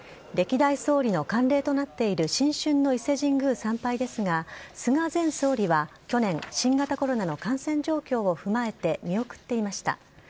歴代総理の慣例となっている新春の伊勢神宮参拝ですが、菅前総理は去年、新型コロナウイルスの感染状況を踏まえて、見送っていました。